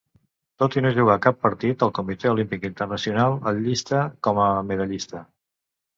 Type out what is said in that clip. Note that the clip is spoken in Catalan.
Tot i no jugar cap partit el Comitè Olímpic Internacional el llista com a medallista.